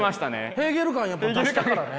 ヘーゲル感出したからね。